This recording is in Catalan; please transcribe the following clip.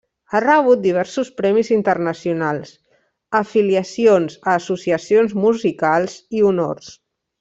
Ha rebut diversos premis internacionals, afiliacions a associacions musicals i honors.